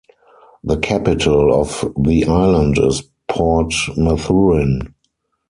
The capital of the island is Port Mathurin.